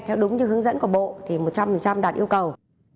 theo đúng như hướng dẫn của bộ thì một trăm linh đạt yêu cầu